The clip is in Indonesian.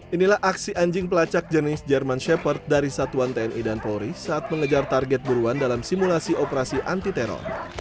inilah aksi anjing pelacak jenis german shepherd dari satuan tni dan polri saat mengejar target buruan dalam simulasi operasi anti teror